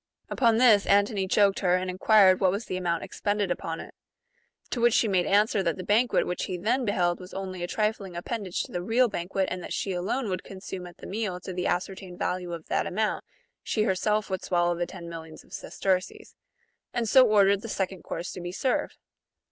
Upon this, Antony joked her, and enquired what was the amount expended upon it ; to which she made answer that the banquet which he then be held was only a trifling appendage ^^ to the real banquet, and that she alone ^ would consume at the meal to the ascertained value of that amount, she herself would swallow the ten millions of sesterces ; and so ordered the second course to be served.